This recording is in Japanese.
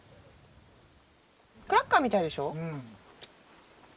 クラッカーみたいでしょ。